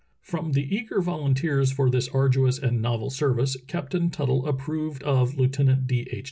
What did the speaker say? From the eager volunteers for this arduous and novel service. Captain Tuttle approved of Lieutenant D. H.